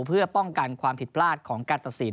เพื่อป้องกันความผิดพลาดของการตัดสิน